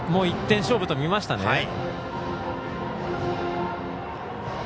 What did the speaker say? １点勝負とみましたね。